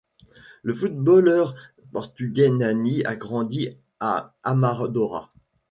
Le footballeur portugais Nani a grandi à Amadora.